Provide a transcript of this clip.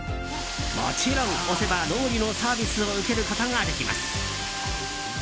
もちろん押せばロウリュのサービスを受けることができます。